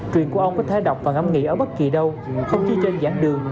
truyền của ông có thể đọc và ngắm nghỉ ở bất kỳ đâu không chỉ trên dãn đường